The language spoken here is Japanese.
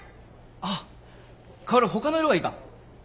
あっ薫ほかの色がいいか？